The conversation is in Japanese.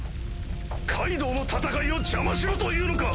カイドウの戦いを邪魔しろというのか！？